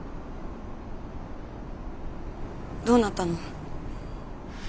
どうなったの？